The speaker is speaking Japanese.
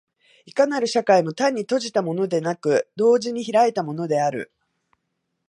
いかなる社会も単に閉じたものでなく、同時に開いたものである。